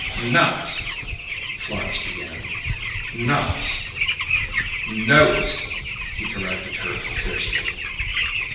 "'Nots'," Florence began. "'Nots' " "Notes!" he corrected her fiercely.